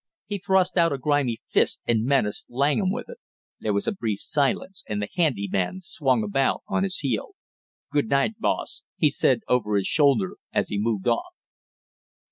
He thrust out a grimy fist and menaced Langham with it. There was a brief silence and the handy man swung about on his heel. "Good night, boss!" he said over his shoulder, as he moved off.